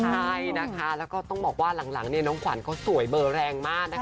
ใช่นะคะแล้วก็ต้องบอกว่าหลังน้องขวัญเขาสวยเบอร์แรงมากนะคะ